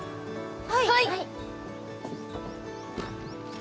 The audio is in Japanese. はい！